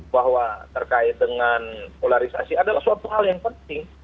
bahwa terkait dengan polarisasi adalah suatu hal yang penting